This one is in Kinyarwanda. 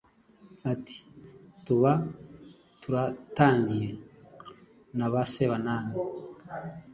Ati “Tuba turatangiye na ba Sebanani,